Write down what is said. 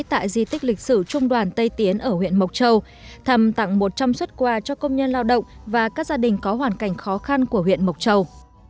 tại di tích lịch sử trung đoàn tây tiến ở huyện mộc châu thầm tặng một trăm linh xuất quà cho công nhân lao động và các gia đình có hoàn cảnh khó khăn của huyện mộc châu